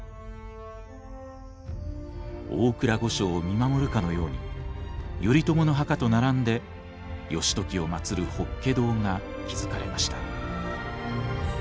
大倉御所を見守るかのように頼朝の墓と並んで義時を祭る法華堂が築かれました。